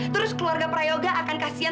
terus keluarga prayoga akan kasian